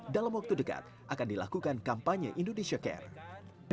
dalam waktu dekat akan dilakukan kampanye indonesia care